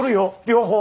両方。